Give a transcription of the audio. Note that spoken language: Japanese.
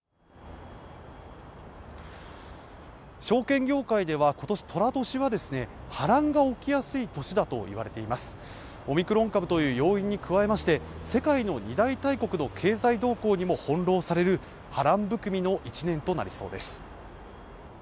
証券業界ではことし寅年は波乱が起きやすい年だと言われていますオミクロン株という要因に加えまして世界の２大大国の経済動向にも翻弄される波乱含みの１年となりそうです